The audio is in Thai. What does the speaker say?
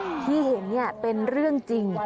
คุณผู้ชมที่เห็นนี้เป็นเรื่องจริง